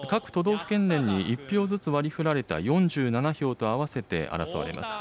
府県連に１票ずつ割りふられた４７票と合わせて争われます。